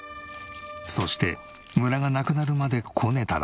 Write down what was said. そしてムラがなくなるまでこねたら。